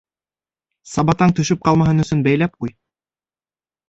— Сабатаң төшөп ҡалмаһын өсөн бәйләп ҡуй!